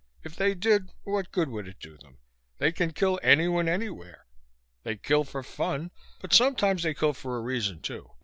If they did, what good would it do them? They can kill anyone, anywhere. They kill for fun, but sometimes they kill for a reason too.